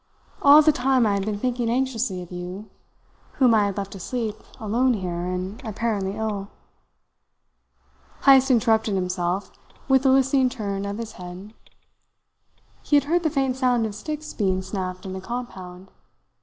All the time I had been thinking anxiously of you, whom I had left asleep, alone here, and apparently ill." Heyst interrupted himself, with a listening turn of his head. He had heard the faint sound of sticks being snapped in the compound.